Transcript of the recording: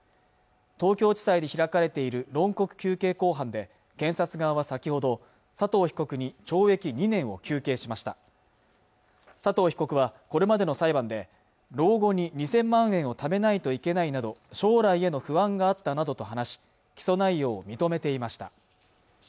東京地裁で開かれている論告求刑公判で検察側は先ほど佐藤被告に懲役２年を求刑しました佐藤被告はこれまでの裁判で老後に２０００万円をためないといけないなど将来への不安があったなどと話し起訴内容を認めていました